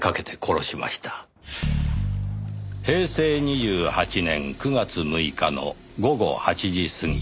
「平成２８年９月６日の午後８時過ぎ